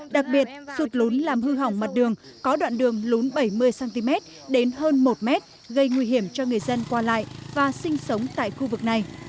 đặc biệt sụt lún làm hư hỏng mặt đường có đoạn đường lún bảy mươi cm đến hơn một m gây nguy hiểm cho người dân qua lại và sinh sống tại khu vực này